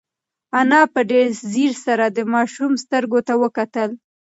انا په ډېر ځير سره د ماشوم سترګو ته وکتل.